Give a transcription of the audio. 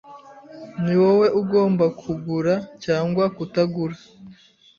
Ni wowe ugomba kugura cyangwa kutagura.